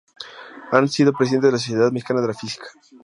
Ha sido presidente de la Sociedad Mexicana de Física.